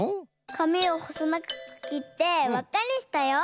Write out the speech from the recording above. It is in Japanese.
かみをほそながくきってわっかにしたよ。